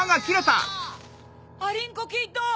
アリンコキッド！